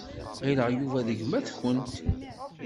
Ɣileɣ Yuba d gma-tkent.